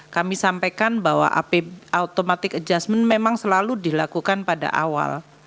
kami sampaikan bahwa automatic adjustment memang selalu dilakukan pada awal